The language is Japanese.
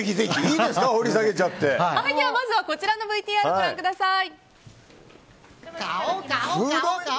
ではまずこちらのＶＴＲからご覧ください。